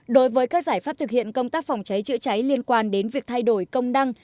đối với các giải pháp thực hiện công tác phòng cháy chữa cháy liên quan đến việc thay đổi công năng